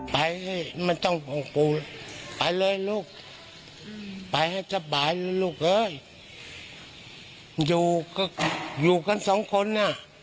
ไปให้มันต้องของปู่ไปเลยลูกไปให้สบายเลยลูกเอ้ยอยู่กันสองคนน่ะ